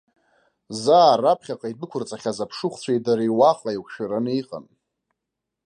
Заа раԥхьаҟа идәықәырҵахьаз аԥшыхәцәеи дареи уаҟа еиқәшәараны иҟан.